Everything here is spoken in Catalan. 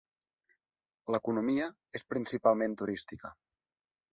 L'economia és principalment turística.